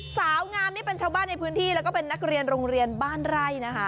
สาวงามนี่เป็นชาวบ้านในพื้นที่แล้วก็เป็นนักเรียนโรงเรียนบ้านไร่นะคะ